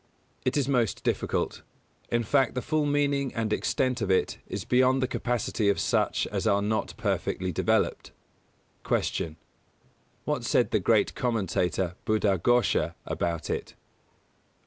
It is most difficult; in fact, the full meaning and extent of it is beyond the capacity of such as are not perfectly developed. 253. Q. _What said the great commentator Buddha Ghosha about it?